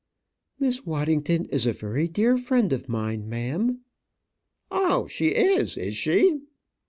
"Miss Waddington is a very dear friend of mine, ma'am." "Oh; she is, is she?"